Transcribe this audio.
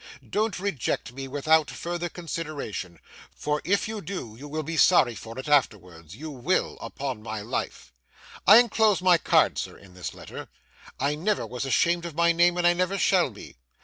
Don't reject me without full consideration; for if you do, you will be sorry for it afterwards—you will, upon my life. 'I enclose my card, sir, in this letter. I never was ashamed of my name, and I never shall be.